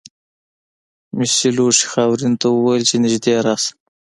مسو لوښي خاورین ته وویل چې نږدې راشه.